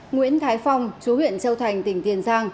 nguyễn thái phong chú huyện châu thành tỉnh tiền giang